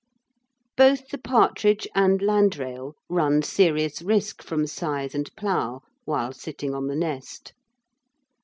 Both the partridge and landrail run serious risk from scythe and plough while sitting on the nest.